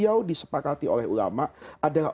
jauh disepakati oleh ulama adalah